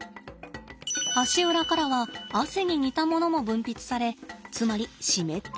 足裏からは汗に似たものも分泌されつまり湿ったプニプニです。